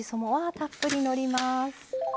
たっぷりのります。